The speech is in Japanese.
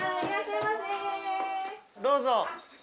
どうぞ！